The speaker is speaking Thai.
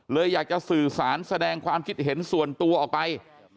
อยากจะสื่อสารแสดงความคิดเห็นส่วนตัวออกไป